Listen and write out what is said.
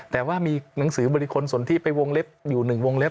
แต่ว่ามีหนังสือบริคลสนที่ไปวงเล็บอยู่๑วงเล็บ